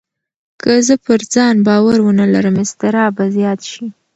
که زه پر ځان باور ونه لرم، اضطراب به زیات شي.